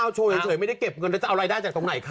โชว์เฉยไม่ได้เก็บเงินแล้วจะเอารายได้จากตรงไหนคะ